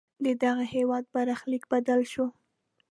ددغه هېواد برخلیک بدل شو.